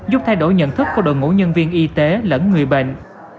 giúp thay đổi nhận thức của đội ngũ nhân viên y tế lẫn người bệnh